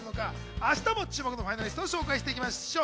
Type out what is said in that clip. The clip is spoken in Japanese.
明日も注目のファイナリストを紹介していきましょう。